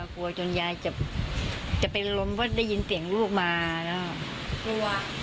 กลัวจนยายจะไปล้มเพราะได้ยินเสียงลูกมานะ